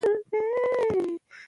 په کار ده چې مونږ ټول يو موټی شو.